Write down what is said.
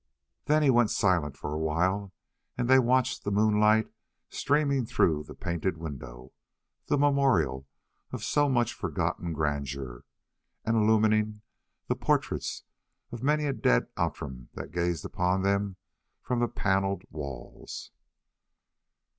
Then he was silent for a while, and they watched the moonlight streaming through the painted window, the memorial of so much forgotten grandeur, and illumining the portraits of many a dead Outram that gazed upon them from the panelled walls.